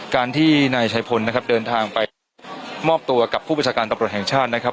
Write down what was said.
การที่นายชัยพลนะครับเดินทางไปมอบตัวกับผู้ประชาการตำรวจแห่งชาตินะครับ